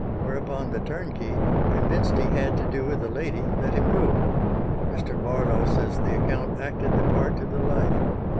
whereupon the turnkey, convinced he had to do with a lady, let him go. Mr. Barlow, says the account, acted the part to the life.